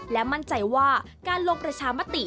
และมั่นใจว่าการลงประชามติ